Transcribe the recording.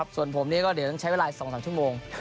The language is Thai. ส่วนผมนี่ก็เดี๋ยวต้องใช้เวลา๒๓ชั่วโมง